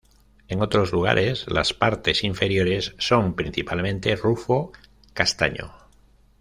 En otros lugares, las partes inferiores son principalmente rufo castaño.